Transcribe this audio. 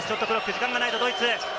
時間がないぞ、ドイツ。